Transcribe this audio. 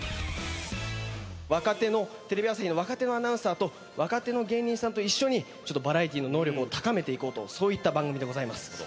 テレビ朝日の若手のアナウンサーと若手の芸人さんと一緒にバラエティの能力を高めていこうとそういった番組でございます。